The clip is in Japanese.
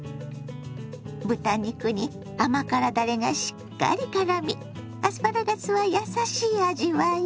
豚肉に甘辛だれがしっかりからみアスパラガスはやさしい味わい。